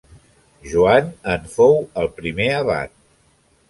Joan en fou el primer abat.